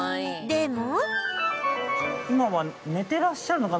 でも